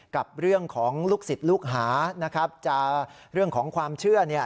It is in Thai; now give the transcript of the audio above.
กับเรื่องของลูกศิษย์ลูกหานะครับจะเรื่องของความเชื่อเนี่ย